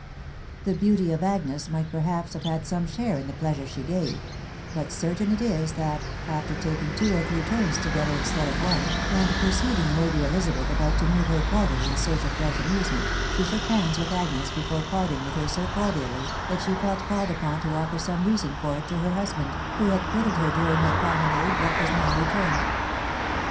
The beauty of Agnes aright perhaps have had some share in the pleasure she gare; but certain it is, that, after taking two or three turns together in stead of one, and perceiving Lady Elisabeth about to more her quarters in search of fresh amusement, she shook haadi with Agnes before parting with her so cordially, that she ftk called upon to offer some reason for it to her husband, who had quitted her during her promenade, but was now returned.